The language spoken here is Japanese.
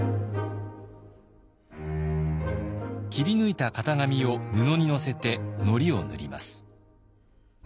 切り抜いた型紙を布に載せてのりを塗ります。